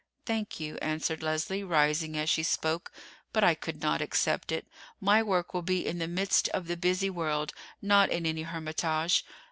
"Thank you," answered Leslie, rising as she spoke, "but I could not accept it. My work will be in the midst of the busy world—not in any hermitage.